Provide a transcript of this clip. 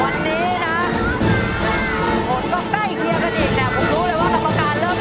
วันนี้นะคนก็ใกล้เคลียร์กันอีก